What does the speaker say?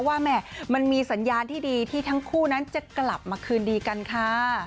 แหม่มันมีสัญญาณที่ดีที่ทั้งคู่นั้นจะกลับมาคืนดีกันค่ะ